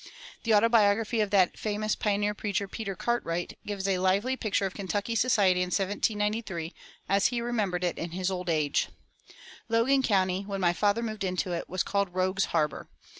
The autobiography of that famous pioneer preacher, Peter Cartwright, gives a lively picture of Kentucky society in 1793 as he remembered it in his old age: "Logan County, when my father moved into it, was called 'Rogues' Harbor.'